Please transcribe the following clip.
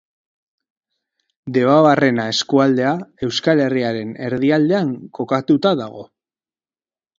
Debabarrena eskualdea Euskal Herriaren erdialdean kokatuta dago.